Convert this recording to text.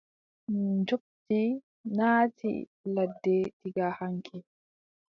Njoɓndi naati ladde diga haŋki.